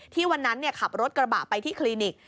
วันนั้นขับรถกระบะไปที่คลินิก